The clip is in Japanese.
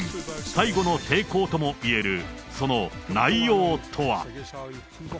最後の抵抗ともいえるその内容とは。